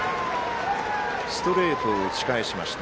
ストレートを打ち返しました。